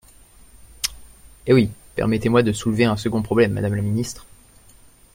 Eh oui ! Permettez-moi de soulever un second problème, madame la ministre.